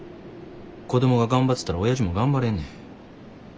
子供が頑張ってたらおやじも頑張れんねん。